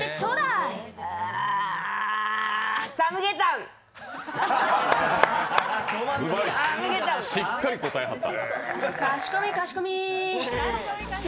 うまい、しっかりと答えはった。